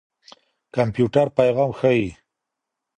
کمپيوټر پېغام ښيي.